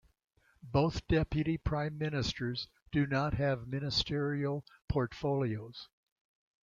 Both Deputy prime ministers do not have ministerial portofolios.